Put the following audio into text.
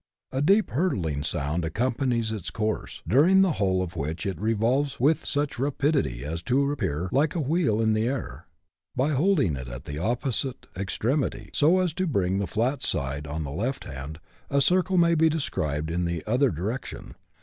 A deep hurtling sound accompanies its course, during the whole of which it revolves with such rapidity as to appear like a wheel in the air. By holding it at the opposite extremity, so as to bring the flat side on the left hand, a circle may be described in the other direction, i.